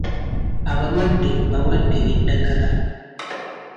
Abalwadde mbawadde eddagala.